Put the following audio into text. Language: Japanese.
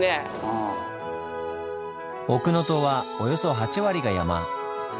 奥能登はおよそ８割が山。